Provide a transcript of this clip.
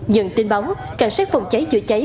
nhận tin báo cảnh sát phòng cháy chữa cháy